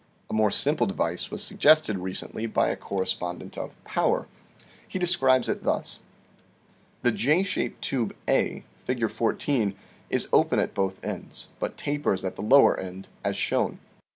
A more simple device was suggested recently by a cor respondent of " Power." He describes it thus : The J shaped tube A, Fig. 14, is open at both ends, but tapers at the lower end, as shown.